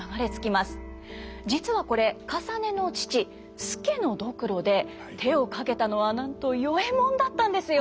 実はこれかさねの父助の髑髏で手をかけたのはなんと与右衛門だったんですよ。